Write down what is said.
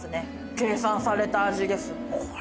計算された味です。